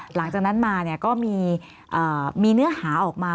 หลังจากนั้นมาก็มีเนื้อหาออกมา